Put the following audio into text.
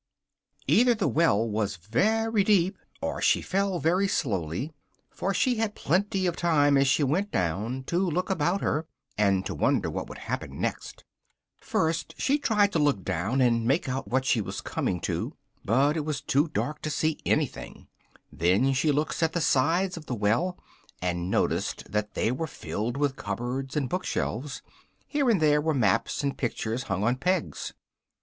Either the well was very deep, or she fell very slowly, for she had plenty of time as she went down to look about her, and to wonder what would happen next. First, she tried to look down and make out what she was coming to, but it was too dark to see anything: then, she looked at the sides of the well, and noticed that they were filled with cupboards and book shelves: here and there were maps and pictures hung on pegs.